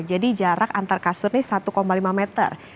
jadi jarak antar kasur ini satu lima meter